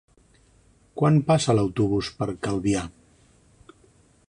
Quan passa l'autobús per Calvià?